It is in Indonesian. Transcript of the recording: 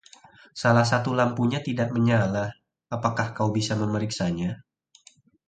Salah satu lampunya tidak menyala. Bisakah kau memeriksanya?